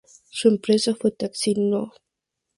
Su empresa fue Taxi No.